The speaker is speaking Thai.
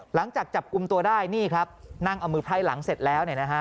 หลังจากจับกลุ่มตัวได้นี่ครับนั่งเอามือไพร่หลังเสร็จแล้วเนี่ยนะฮะ